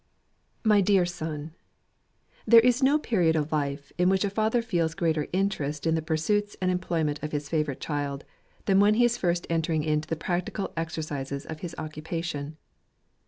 My Dear Son, There is no period of life in which a father feels greater interest in the pursuits and employment of his favourite child, than when he is first entering into the practical exercises of his occupation.